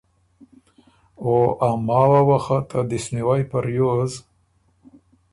او ا ماوه وه خه ته دِس نیوئ په ریوز